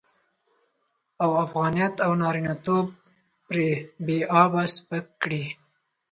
او افغانيت او نارينه توب پرې بې آبه او سپک کړي.